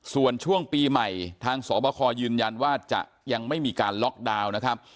ส่วนช่วงปีใหม่ทางสบคยืนยันว่าจะยังไม่มีการล็อกดาวน์นะครับ